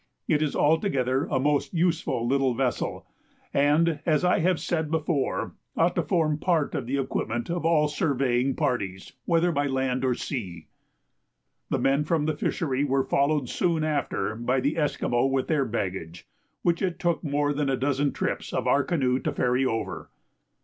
It is altogether a most useful little vessel, and, as I have said before, ought to form part of the equipment of all surveying parties, whether by land or sea. The men from the fishery were followed soon after by the Esquimaux with their baggage, which it took more than a dozen trips of our canoe to ferry over.